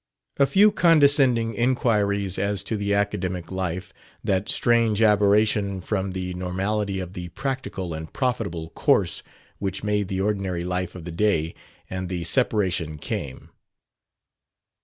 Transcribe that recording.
A few condescending inquiries as to the academic life, that strange aberration from the normality of the practical and profitable course which made the ordinary life of the day, and the separation came.